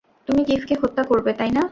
তুমি কিফকে হত্যা করবে, তাই না?